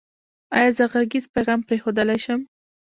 ایا زه غږیز پیغام پریښودلی شم؟